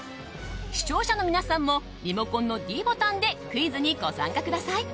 視聴者の皆さんもリモコンのｄボタンでクイズにご参加ください。